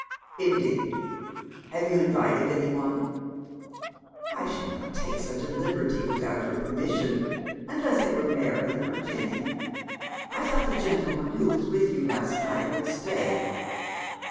" Indeed I Have you invited any one ?"" I should not take such a hberty without your permission — unless it were Marion or Jenny. I thought the gentleman who was with you last night would stay